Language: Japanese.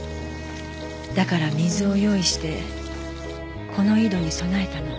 だから水を用意してこの井戸に供えたの。